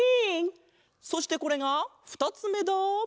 そしてこれがふたつめだ！